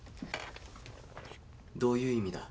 どういう意味だ。